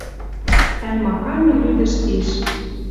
Ӓль маханьы лӱдӹш тиш